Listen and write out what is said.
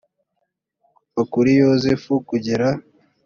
kuva kuri yozefu kugera